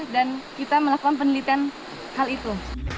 jadi melakukan penelitian hal itu